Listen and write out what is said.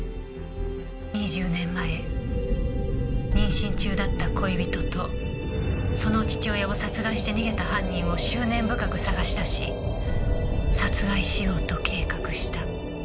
２０年前妊娠中だった恋人とその父親を殺害して逃げた犯人を執念深く捜し出し殺害しようと計画した。